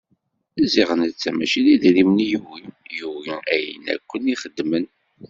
Ziɣ netta mačči d idrimen i yugi, yugi ayen akken i xeddmen.